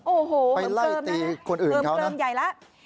โอ้โหไปไล่ตีคนอื่นเขานะเอิ่มเบิร์มใหญ่แล้ว